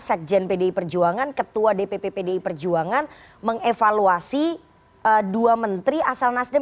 sekjen pdi perjuangan ketua dpp pdi perjuangan mengevaluasi dua menteri asal nasdem